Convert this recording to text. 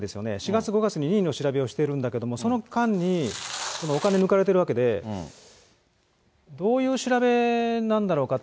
４月、５月に任意の調べをしてるんだけれども、その間にお金、抜かれているわけで、どういう調べなんだろうか。